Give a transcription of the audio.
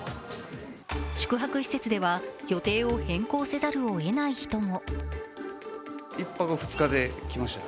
宿泊施設では予定を変更せざるをえない人も。